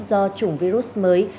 do chủng virus mới